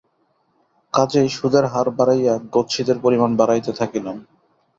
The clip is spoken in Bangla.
কাজেই সুদের হার বাড়াইয়া গচ্ছিতের পরিমাণ বাড়াইতে থাকিলাম।